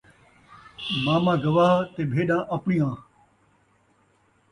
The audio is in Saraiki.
ماما گواہ تے بھیݙاں آپݨیاں